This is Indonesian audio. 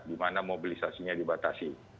dimana mobilisasinya dibatasi